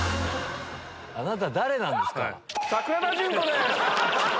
あなた誰なんですか？